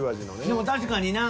でも確かにな